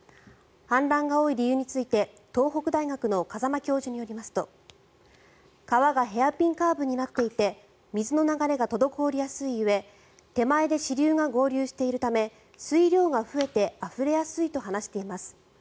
氾濫が多い理由について東北大学の風間教授によりますと川がヘアピンカーブになっていて水の流れが滞りやすいうえ手前で支流が合流しているため水量が増えてあふれやすいと話しています。